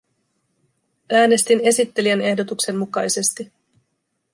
Äänestin esittelijän ehdotuksen mukaisesti.